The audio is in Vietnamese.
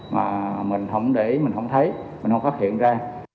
mà mình không để mình không thấy mình không phát hiện ra